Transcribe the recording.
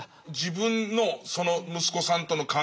自分のその息子さんとの関係